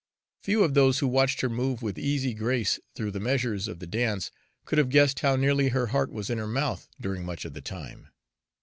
Few of those who watched her move with easy grace through the measures of the dance could have guessed how nearly her heart was in her mouth during much of the time.